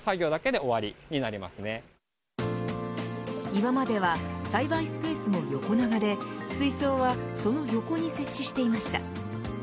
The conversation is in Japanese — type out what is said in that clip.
今までは栽培スペースも横長で水槽はその横に設置していました。